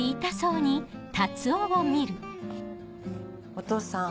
お父さん。